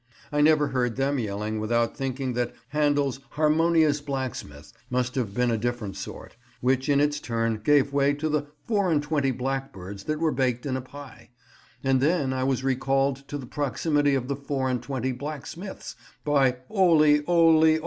I never heard them yelling without thinking that Handel's "Harmonious Blacksmith" must have been a different sort, which in its turn gave way to the "four and twenty blackbirds that were baked in a pie," and then I was recalled to the proximity of the four and twenty blacksmiths by "'Oly, 'oly, 'oly."